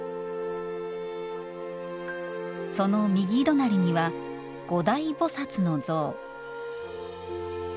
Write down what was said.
その右隣には五大菩薩の像。